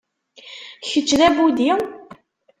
Kečč d abudi?